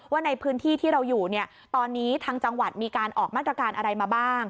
ว่าในพื้นที่ที่เราอยู่เนี่ยตอนนี้ทางจังหวัดมีการออกมาตรการอะไรมาบ้าง